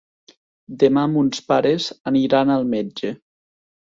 Demà mons pares aniran al metge.